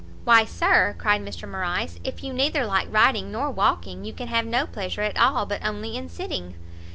"Why, Sir," cried Morrice, "if you neither like riding nor walking, you can have no pleasure at all but only in sitting."